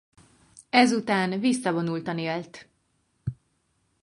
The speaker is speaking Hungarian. Ezután visszavonultan élt.